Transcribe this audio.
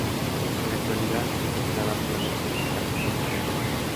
En la actualidad es operada por la División Antártica Australiana.